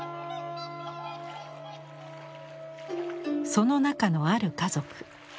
その中のある家族。